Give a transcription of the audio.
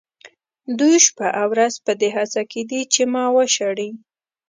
دوی شپه او ورځ په دې هڅه کې دي چې ما وشړي.